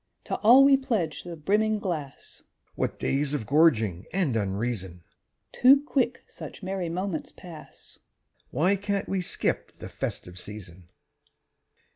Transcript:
_) To all we pledge the brimming glass! (What days of gorging and unreason!) Too quick such merry moments pass (_Why can't we skip the "festive season"?